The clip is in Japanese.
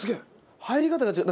入り方が違う。